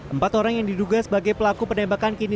empat orang yang diduga sebagai pelaku penembakan kini